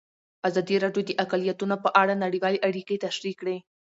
ازادي راډیو د اقلیتونه په اړه نړیوالې اړیکې تشریح کړي.